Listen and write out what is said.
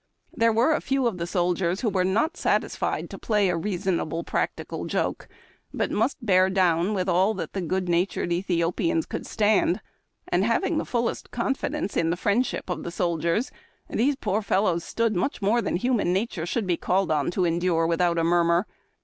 There were a few of the soldiers who were not satisfied to play a reasonable practical joke, but must bear down with all that the good natured Ethiopians could stand, and, having the fullest confidence in the friendsliip of the soldiers, these poor fellows stood much more than human nature should be called to endure without a murmur.